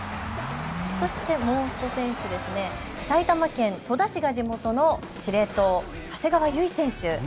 そして、もう１人、埼玉県戸田市が地元の司令塔、長谷川唯選手。